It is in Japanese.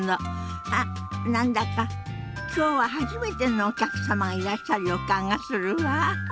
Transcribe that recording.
あっ何だか今日は初めてのお客様がいらっしゃる予感がするわ。